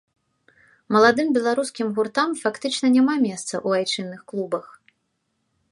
Маладым беларускім гуртам фактычна няма месца ў айчынных клубах.